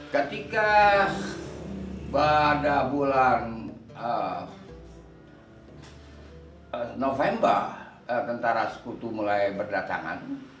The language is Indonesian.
ketika pada bulan november tentara sekutu mulai berdatangan